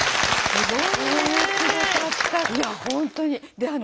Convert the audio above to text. すごいね！